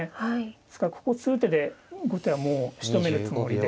ですからここ数手で後手はもうしとめるつもりで。